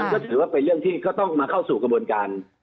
ก็ถือว่าเป็นเรื่องที่ก็ต้องมาเข้าสู่กระบวนการ